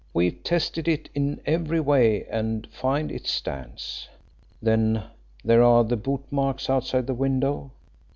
We've tested it in every way and find it stands. Then there are the bootmarks outside the window.